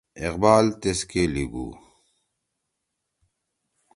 اقبال تیسکے لیِگُو: